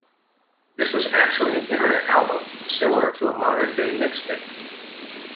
This was actually an internet album, similar to a modern-day mixtape.